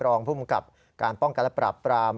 รองภูมิกับการป้องกันและปราบปราม